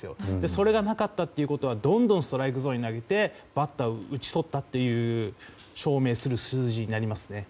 それがなかったということはどんどんストライクゾーンに投げバッターを打ち取ったと証明する数字ですね。